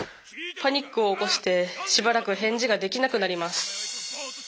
パニックを起こしてしばらく返事ができなくなります。